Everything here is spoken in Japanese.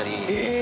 え。